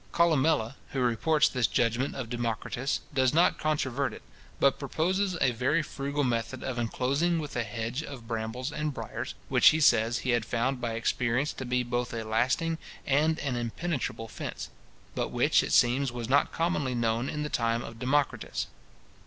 Columella, who reports this judgment of Democritus, does not controvert it, but proposes a very frugal method of inclosing with a hedge of brambles and briars, which he says he had found by experience to be both a lasting and an impenetrable fence; but which, it seems, was not commonly known in the time of Democritus.